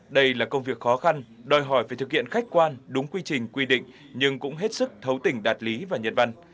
đây là công việc khó khăn đòi hỏi phải thực hiện khách quan đúng quy trình quy định nhưng cũng hết sức thấu tình đạt lý và nhận văn